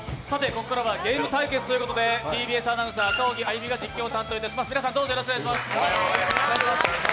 ここからはゲーム対決ということで、ＴＢＳアナウンサー、赤荻歩が実況を担当いたします。